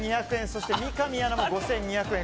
そして、三上アナも５２００円。